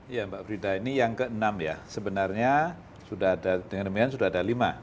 ya mbak brida ini yang ke enam ya sebenarnya dengan demikian sudah ada lima